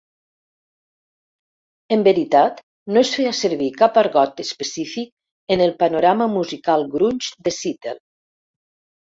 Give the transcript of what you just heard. En veritat, no es feia servir cap argot específic en el panorama musical "grunge" de Seattle.